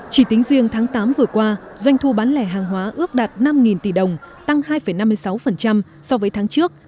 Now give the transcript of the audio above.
chỉ tính riêng tháng tám vừa qua doanh thu bán lẻ hàng hóa ước đạt năm tỷ đồng tăng hai năm mươi sáu so với tháng trước